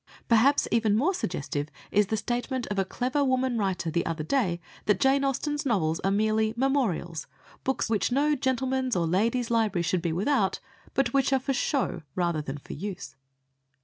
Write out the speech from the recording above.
Perhaps even more suggestive is the statement of a clever woman writer the other day that Jane Austen's novels are merely "memorials," books which no gentleman's (or lady's) library should be without, but which are for show rather than for use.